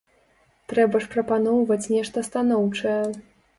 Трэба ж прапаноўваць нешта станоўчае.